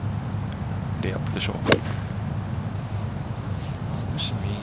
レイアップでしょう。